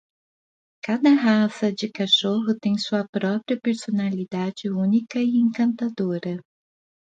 Cada raça de cachorro tem sua própria personalidade única e encantadora.